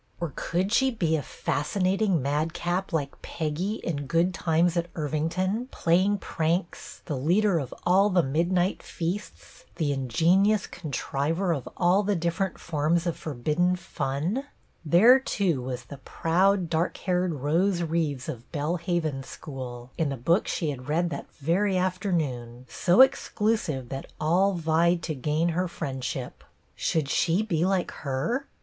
Or could she be a fascinating madcap like Peggy, in " Good Times at Irvington," play ing pranks, the leader of all the midnight feasts, the ingenious contriver of all the dif ferent forms of forbidden fun There, too, was the iDroud, dark haired Rose Reeves of Belle Haven School, in the book she had read that very afternoon, so exclusive that all vied to gain her friendship. Should she be like her?